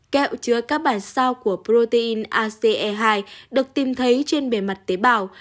kẹo chứa các bản sao của protein ace hai được tìm thấy trên bề mặt tế bào